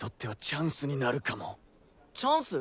チャンス？